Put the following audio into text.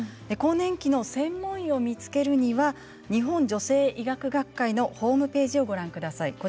更年期の専門医を見つけるには日本女性医学学会のホームページをご覧ください。